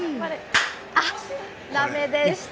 あっ、だめでした。